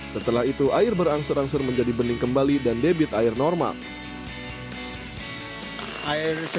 setelah itu air berangsur angsur menjadi bening kembali dan debit air normal